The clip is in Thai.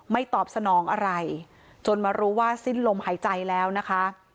ตอบสนองอะไรจนมารู้ว่าสิ้นลมหายใจแล้วนะคะ